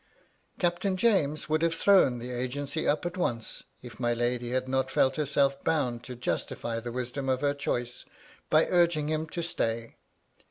Captain James would have thrown the agency up at once, if my lady had not felt herself bound to justify the wisdom of her choice, by urging him to stay.